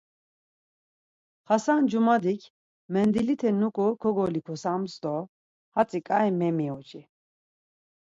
Xasan cumadik mendilite nuǩu kogolikosams do; Hatzi ǩai memiuci.